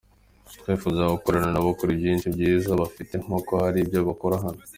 Twifuza gukorana nabo kuri byinshi byiza bafite nkuko hari ibyo bakura hano.